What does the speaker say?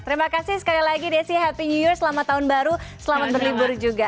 terima kasih sekali lagi desi happy new your selamat tahun baru selamat berlibur juga